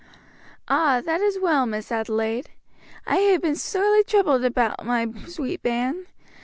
"Ah, that is well, Miss Adelaide. I hae been sorely troubled aboot my sweet bairn.